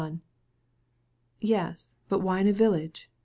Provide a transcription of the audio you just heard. "But why in a village?